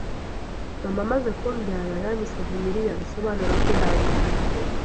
Mama amaze kumbyara, yanyise Vumilia (bisobanura kwihangana).